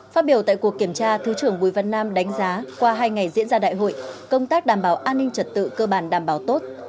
phát biểu tại cuộc kiểm tra thứ trưởng bùi văn nam đánh giá qua hai ngày diễn ra đại hội công tác đảm bảo an ninh trật tự cơ bản đảm bảo tốt